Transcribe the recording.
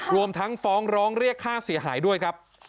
รวมทั้งฟ้องร้องเรียกค่าเสียหายด้วยครับ